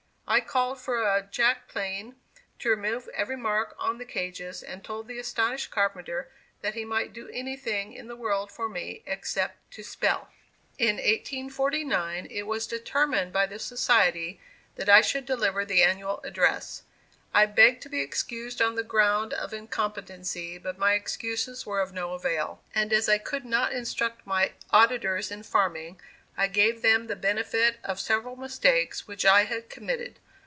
I called for a jack plane to remove every mark on the cages and told the astonished carpenter that he might do anything in the world for me, except to spell. In 1849 it was determined by the Society that I should deliver the annual address. I begged to be excused on the ground of incompetency, but my excuses were of no avail, and as I could not instruct my auditors in farming, I gave them the benefit of several mistakes which I had committed.